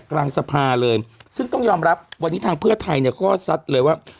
กลางสภาเลยซึ่งต้องยอมรับวันนี้ทางเพื่อไทยเนี่ยก็ซัดเลยว่า